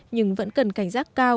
nhưng vẫn cần cảnh giác cao